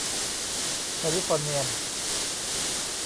แคลิฟอร์เนียม